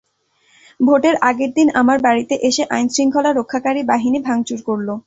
ভোটের আগের দিন আমার বাড়িতে এসে আইনশৃঙ্খলা রক্ষাকারী বাহিনী ভাঙচুর করল।